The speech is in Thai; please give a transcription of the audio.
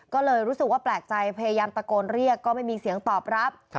ก็เลยรู้สึกว่าแปลกใจพยายามตะโกนเรียกก็ไม่มีเสียงตอบรับ